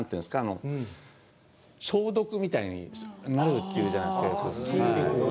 消毒みたいになるっていうじゃないですか。